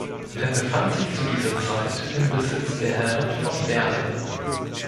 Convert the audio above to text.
Er befand sich zu dieser Zeit im Besitz der Herren von Werle.